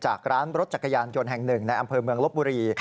จากร้านรถจักรยานยนต์แห่งหนึ่งในอำเภอเมืองลบบุรี